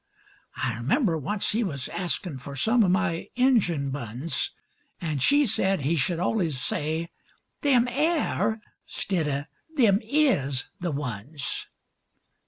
I remember once he was askin' for some o' my Injun buns, An' she said he should allus say, "them air," stid o' "them is" the ones.